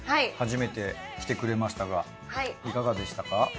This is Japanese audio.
初めて来てくれましたがいかがでしたか？